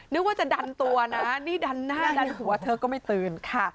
นึกว่าจะดันตัวนะนี่ดันหน้าดันหัวเธอก็ไม่ตื่นค่ะ